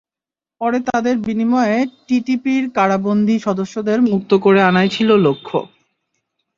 পরে তাদের বিনিময়ে টিটিপির কারাবন্দী সদস্যদের মুক্ত করে আনাই ছিল লক্ষ্য।